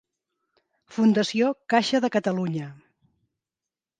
Fundació Caixa de Catalunya.